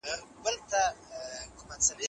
او ګوربت په خپله خوښه بیرته خپل قفس ته ننووت.